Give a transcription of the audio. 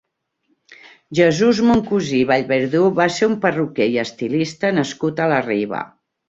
Jesús Moncusí i Vallverdú va ser un perruquer i estilista nascut a la Riba.